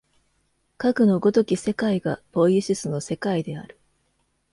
かくの如き世界がポイエシスの世界である。